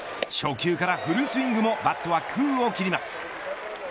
初球からフルスイングもバットは空を切ります。